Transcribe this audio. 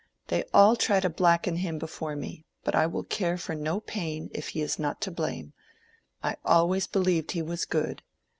"They all try to blacken him before me; but I will care for no pain, if he is not to blame. I always believed he was good."